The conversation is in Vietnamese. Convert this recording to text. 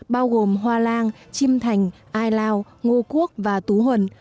bao gồm hoa lan chim thành ai lao ngô quốc và tú huần